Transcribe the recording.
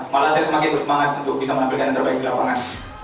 malah saya semakin bersemangat untuk bisa menampilkan yang terbaik di lapangan